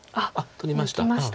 取りました。